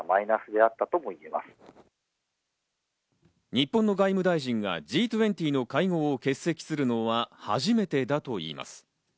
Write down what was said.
日本の外務大臣がＧ２０の会合を欠席するのは初めてだといいます。